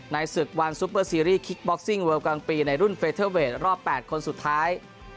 ในศึกวันซุปเปอร์ซีรีสคิกบ็อกซิ่งเวิลกลางปีในรุ่นเฟเทอร์เวทรอบ๘คนสุดท้าย